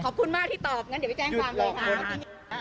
ขอบคุณมากที่ตอบงั้นเดี๋ยวไปแจ้งความเลยค่ะ